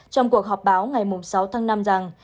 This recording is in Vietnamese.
trong cuộc họp báo ngày sáu tháng năm rằng